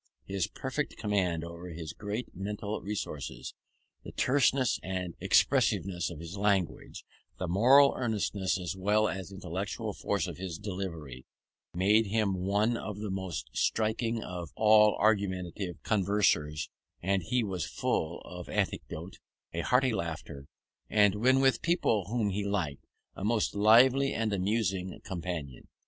His perfect command over his great mental resources, the terseness and expressiveness of his language and the moral earnestness as well as intellectual force of his delivery, made him one of the most striking of all argumentative conversers: and he was full of anecdote, a hearty laugher, and, when with people whom he liked, a most lively and amusing companion.